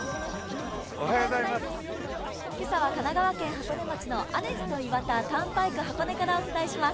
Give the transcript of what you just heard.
今朝は神奈川県箱根町のアネスト岩田ターンパイク箱根からお伝えします。